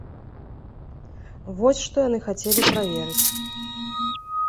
Вось што яны хацелі праверыць.